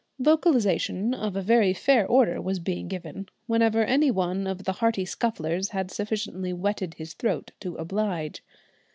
Vocalisation of a very fair order was being given, whenever any one of the hearty Scufflers had sufficiently wetted his throat to "oblige."